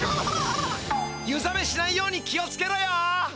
湯ざめしないように気をつけろよ！